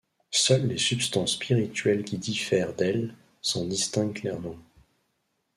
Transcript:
Seules les substances spirituelles qui diffèrent d'elles s'en distinguent clairement.